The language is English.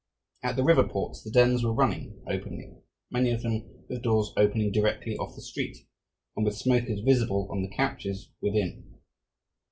At the river ports the dens were running openly, many of them with doors opening directly off the street and with smokers visible on the couches within.